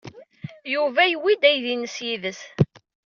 Yuba yewwi-d aydi-nnes yid-s.